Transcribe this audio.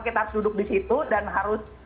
kita harus duduk di situ dan harus